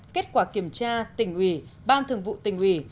kết quả kiểm tra tỉnh ủy ban thường vụ tỉnh ủy